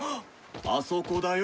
あそこだよ。